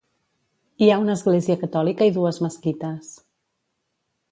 Hi ha una església catòlica i dues mesquites.